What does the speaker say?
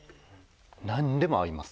なんでも合います。